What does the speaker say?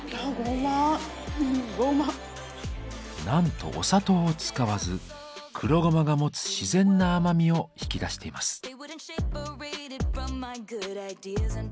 なんとお砂糖を使わず黒ごまが持つ自然な甘みを引き出しています。